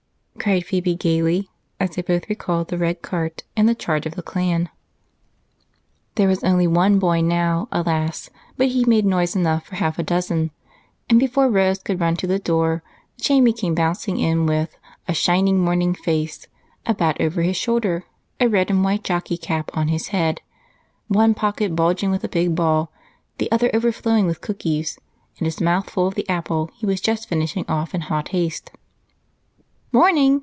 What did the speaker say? cried Phebe gaily as they both recalled the red cart and the charge of the clan. There was only one boy now, alas, but he made noise enough for half a dozen, and before Rose could run to the door, Jamie came bouncing in with a "shining morning face," a bat over his shoulder, a red and white jockey cap on his head, one pocket bulging with a big ball, the other overflowing with cookies, and his mouth full of the apple he was just finishing off in hot haste. "Morning!